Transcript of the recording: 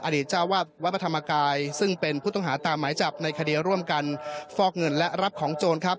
เจ้าวาดวัดพระธรรมกายซึ่งเป็นผู้ต้องหาตามหมายจับในคดีร่วมกันฟอกเงินและรับของโจรครับ